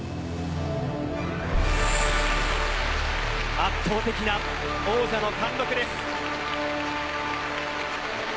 圧倒的な王者の貫禄です。